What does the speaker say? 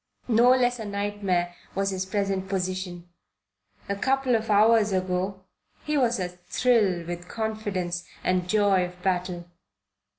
No less a nightmare was his present position. A couple of hours ago he was athrill with confidence and joy of battle.